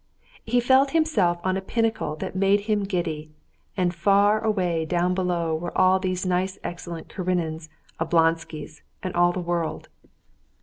He felt himself on a pinnacle that made him giddy, and far away down below were all those nice excellent Karenins, Oblonskys, and all the world.